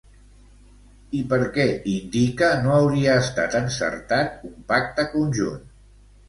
I per què indica no hauria estat encertat un pacte conjunt?